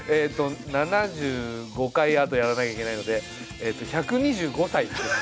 ７５回あとやらなきゃいけないので１２５歳ですね。